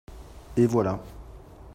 et voilà.